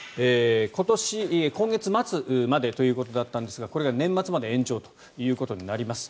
今月末までということだったんですがこれが年末まで延長となります。